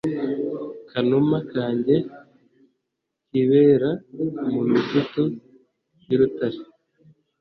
Kanuma kanjye kibera mu mitutu y’urutare,